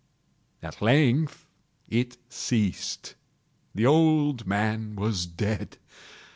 At length it ceased. The old man was dead.